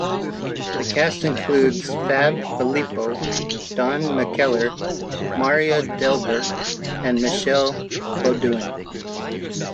The cast includes Fab Filippo, Don McKellar, Marya Delver and Michelle Beaudoin.